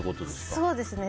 そうですね。